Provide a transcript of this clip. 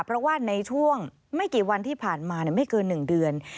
เพราะว่าในช่วงไม่กี่วันที่ผ่านมาไม่เกิน๑เดือน